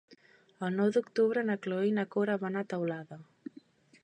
El nou d'octubre na Cloè i na Cora van a Teulada.